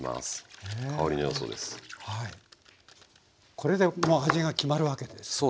これでもう味が決まるわけですね。